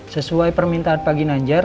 sesuai permintaan pak ginanjar